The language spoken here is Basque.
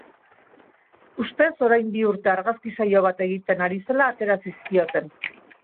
Ustez orain bi urte argazki saio bat egiten ari zela atera zizkioten.